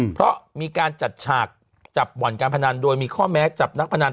เพราะมีการจัดฉากจับบ่อนการพนันโดยมีข้อแม้จับนักพนัน